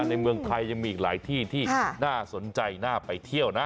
ในเมืองไทยยังมีอีกหลายที่ที่น่าสนใจน่าไปเที่ยวนะ